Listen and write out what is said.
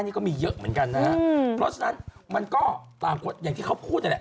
นี่ก็มีเยอะเหมือนกันนะฮะเพราะฉะนั้นมันก็ตามอย่างที่เขาพูดนั่นแหละ